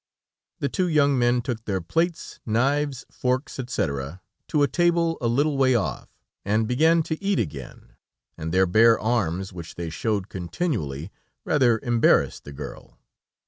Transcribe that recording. The two young men took their plates, knives, forks, etc., to a table a little way off, and began to eat again, and their bare arms, which they showed continually, rather embarrassed the girl.